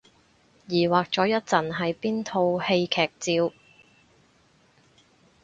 疑惑咗一陣係邊套戲劇照